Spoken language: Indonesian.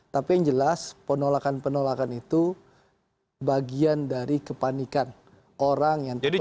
tapi yang jelas penolakan penolakan itu bagian dari kepanikan orang yang terpenuhi